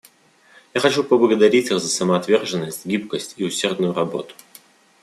Я хочу поблагодарить их за самоотверженность, гибкость и усердную работу.